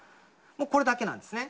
もうこれだけなんですね。